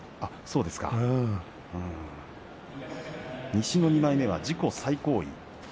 西２枚目は自己最高位。